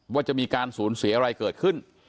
ว่าจะมีการสูญเสียอะไรเกิดขึ้น